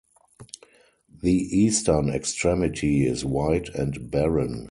The eastern extremity is white and barren.